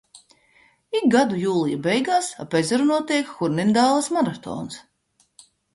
Ik gadu jūlija beigās ap ezeru notiek Hurnindāles maratons.